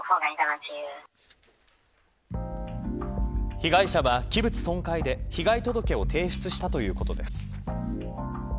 被害者は器物損壊で被害届を提出したということです。